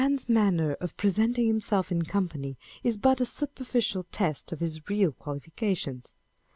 A man's manner of presenting himself in company is but a superficial test of his real qualifications.